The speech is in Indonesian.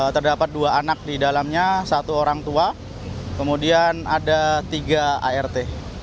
terdapat dua anak di dalamnya satu orang tua kemudian ada tiga art